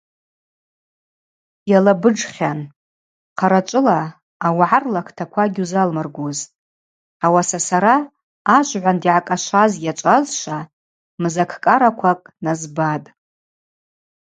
Йалабыджхьан, хъарачӏвыла ауагӏа рлактаква гьузалмыргузтӏ, ауаса сара ажвгӏванд йгӏакӏашваз йачӏвазшва мзакӏкӏараквакӏ назбатӏ.